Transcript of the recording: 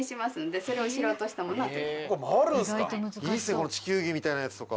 この地球儀みたいなやつとか。